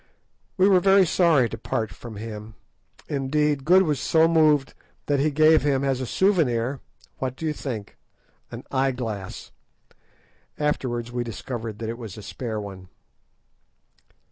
We were very sorry to part from him; indeed, Good was so moved that he gave him as a souvenir—what do you think?—an eye glass; afterwards we discovered that it was a spare one.